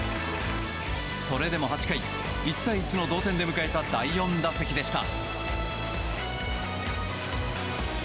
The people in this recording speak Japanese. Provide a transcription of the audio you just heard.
それでも８回１対１の同点で迎えた第４打席でした。